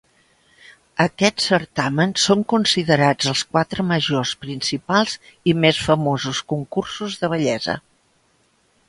Aquests certàmens són considerats els quatre majors, principals i més famosos concursos de bellesa.